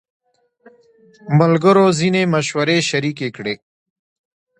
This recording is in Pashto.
ملګرو ځینې مشورې شریکې کړې.